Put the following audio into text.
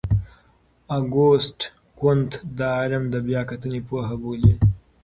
اګوست کُنت دا علم د بیا کتنې پوهه بولي.